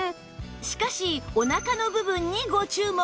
しかしおなかの部分にご注目